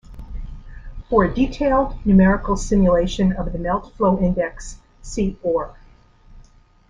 For a detailed numerical simulation of the melt flow index, see or.